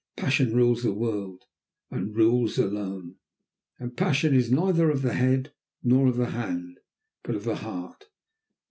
Passion rules the world, and rules alone. And passion is neither of the head, nor of the hand, but of the heart.